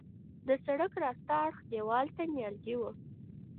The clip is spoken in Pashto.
د سړک راست اړخ دیوال ته نیالګي وه.